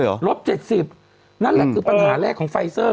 ลบ๗๐นั่นแหละคือปัญหาแรกของไฟเซอร์